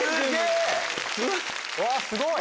わっすごい！